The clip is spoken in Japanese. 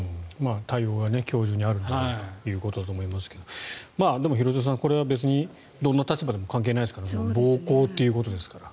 対応が今日中にあるんだということだと思いますがでも、廣津留さん別にどんな立場でも変わりませんから暴行ということですから。